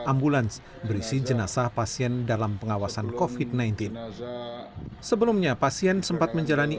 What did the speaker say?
ambulans berisi jenazah pasien dalam pengawasan kofit sembilan belas sebelumnya pasien sempat menjalani